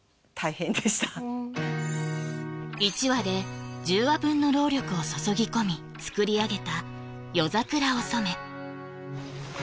１話で１０話分の労力を注ぎ込み作り上げた「夜桜お染」